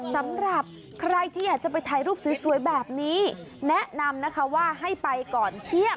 สำหรับใครที่อยากจะไปถ่ายรูปสวยแบบนี้แนะนำนะคะว่าให้ไปก่อนเที่ยง